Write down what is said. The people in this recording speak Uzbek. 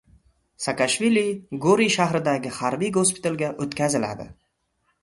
Saakashvili Gori shahridagi harbiy gospitalga o‘tkaziladi